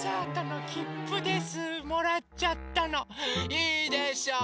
いいでしょう。